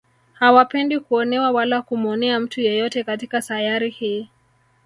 Hawapendi kuonewa wala kumuonea mtu yeyote katika sayari hii